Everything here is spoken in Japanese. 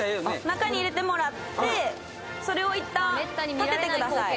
中に入れてもらってそれをいったん立ててください